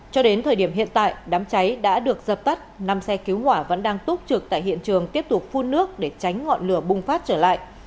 cho đến thời điểm hiện tại đám cháy đã được dập tắt năm xe cứu hỏa vẫn đang túc trực tại hiện trường tiếp tục phun nước để tránh ngọn lửa bùng phát trở lại